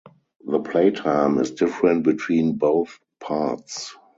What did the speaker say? The playtime is different between both parts.